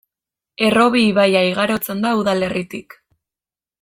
Errobi ibaia igarotzen da udalerritik.